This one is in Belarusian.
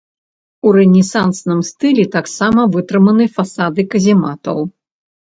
У рэнесансным стылі таксама вытрыманы фасады казематаў.